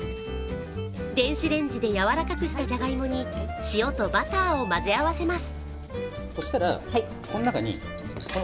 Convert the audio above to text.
電子レンジでやわらかくしたじゃがいもに塩とバターを混ぜ合わせます。